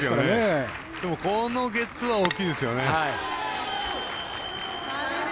このゲッツーは大きいですよね。